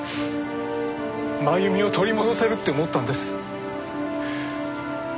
真由美を取り戻せるって思ったんです。